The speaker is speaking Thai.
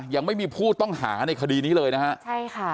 ยังไม่มีผู้ต้องหาในคดีนี้เลยนะฮะใช่ค่ะ